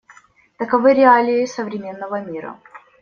Таковы реалии современного мира.